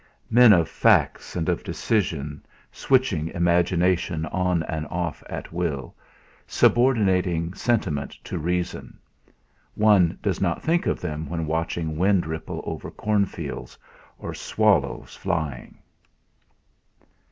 Men of facts and of decision switching imagination on and off at will, subordinating sentiment to reason... one does not think of them when watching wind ripple over cornfields, or swallows flying.